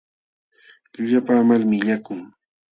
Llullapaamalmi illakun.